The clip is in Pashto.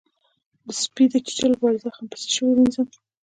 د سپي د چیچلو لپاره زخم په څه شی ووینځم؟